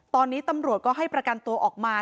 ตอนนี้ตำรวจก็ให้ประกันตัวออกมา